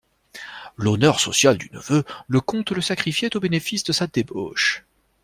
L'honneur social du neveu, le comte le sacrifiait au bénéfice de sa débauche.